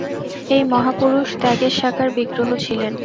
এই মহাপুরুষ ত্যাগের সাকার বিগ্রহ ছিলেন।